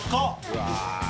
うわ！